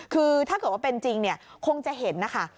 คือถ้าเกิดว่าเป็นจริงคงจะเห็นนะคะ